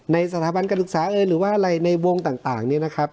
ในสถาบันการศึกษาเอยหรือว่าอะไรในวงต่างเนี่ยนะครับ